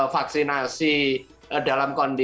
vaksinasi dalam kondisi